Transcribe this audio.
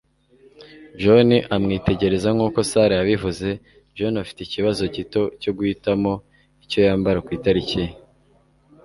John amwitegereza nk'uko Sarah yabivuze, "John afite ikibazo gito cyo guhitamo icyo yambara ku itariki ye."